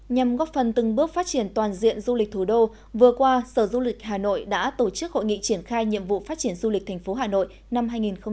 nhằm góp phần từng bước phát triển toàn diện du lịch thủ đô vừa qua sở du lịch hà nội đã tổ chức hội nghị triển khai nhiệm vụ phát triển du lịch tp hà nội năm hai nghìn hai mươi